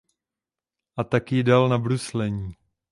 A tak ji dal na bruslení.